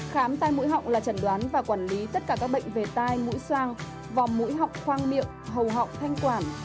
khám tai mũi họng là trần đoán và quản lý tất cả các bệnh về tai mũi soang vòng mũi họng khoang miệng hầu họng thanh quản